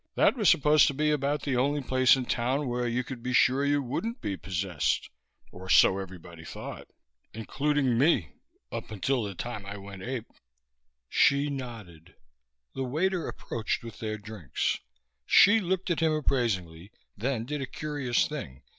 That was supposed to be about the only place in town where you could be sure you wouldn't be possessed, or so everybody thought. Including me. Up to the time I went ape." Hsi nodded. The waiter approached with their drinks. Hsi looked at him appraisingly, then did a curious thing.